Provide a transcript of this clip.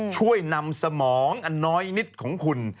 ช่วยนำสมองอันน้อยนิดของคุณ